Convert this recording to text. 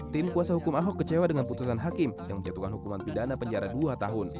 tim kuasa hukum ahok kecewa dengan putusan hakim yang menjatuhkan hukuman pidana penjara dua tahun